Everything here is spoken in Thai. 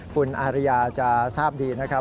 คุณอาริยาจะทราบดีนะครับ